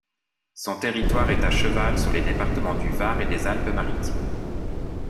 Son territoire est à cheval sur les départements du Var et des Alpes-Maritimes.